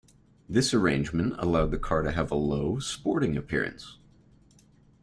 This arrangement allowed the car to have a low, sporting appearance.